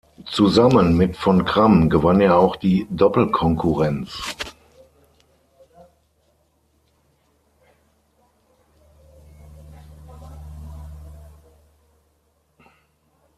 Zusammen mit von Cramm gewann er auch die Doppelkonkurrenz.